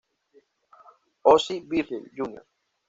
Ozzie Virgil, Jr.